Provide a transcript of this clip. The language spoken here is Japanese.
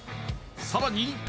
さらに